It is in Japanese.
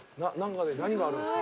何があるんですか？